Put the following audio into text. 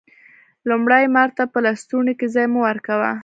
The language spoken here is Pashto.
لومړی: مار ته په لستوڼي کی ځای مه ورکوه